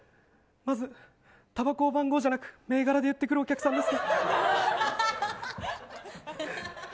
まず、たばこを番号じゃなく銘柄で言ってくるお客さんですね。